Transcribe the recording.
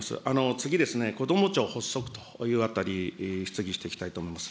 次ですね、こども庁発足というあたり、質疑していきたいと思います。